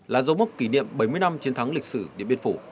là dấu mốc kỷ niệm bảy mươi năm chiến thắng lịch sử điện biên phủ